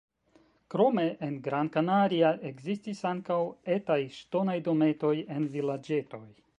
Krome en Gran Canaria ekzistis ankaŭ etaj ŝtonaj dometoj en vilaĝetoj.